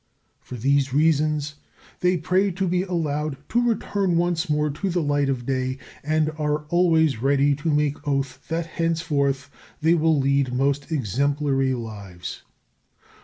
For these reasons they pray to be allowed to return once more to the light of day, and are always ready to make oath that henceforth they will lead most exemplary lives.